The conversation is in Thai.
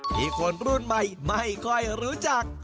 คนรุ่นใหม่ไม่ค่อยรู้จัก